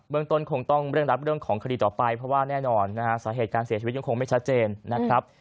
เมืองต้นคงต้องเร่งรับเรื่องของคดีต่อไปเพราะว่าแน่นอนนะฮะสาเหตุการเสียชีวิตยังคงไม่ชัดเจนนะครับ